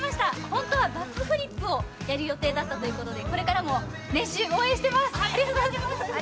本当はバックフリップをやる予定だったそうですけど、これからも練習、応援しています。